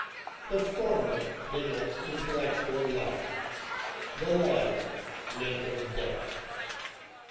The former denotes intellectual life : the latter, mental death.